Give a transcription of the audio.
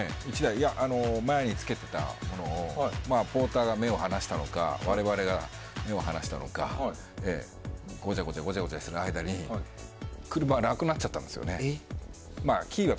前につけていたものをポーターが目を離したのか我々が目を離したのかごちゃごちゃしている間に車がなくなっちゃったんですよね。